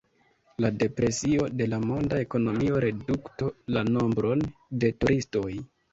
La depresio de la monda ekonomio reduktos la nombron de turistoj.